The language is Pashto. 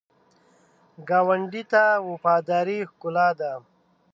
ګاونډي ته وفاداري ښکلا ده